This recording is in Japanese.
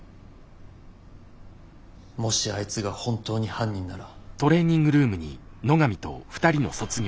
もしあいつが本当に犯人なら。